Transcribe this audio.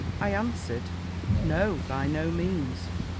I answered, "No, by no means."